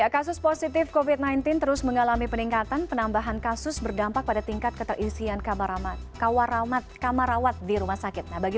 kasus positif covid sembilan belas terus mengalami peningkatan penambahan kasus berdampak pada tingkat keterisian kamar rawat di rumah sakit